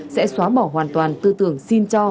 sẽ xóa bỏ hoàn toàn tư tưởng xin cho